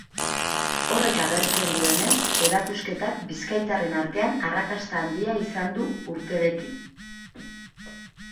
Horrek agertzen duenez, erakusketak bizkaitarren artean arrakasta handia izan du urte beti.